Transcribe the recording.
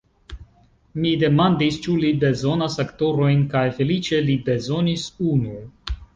Mi demandis, ĉu li bezonas aktorojn kaj feliĉe li bezonis unu.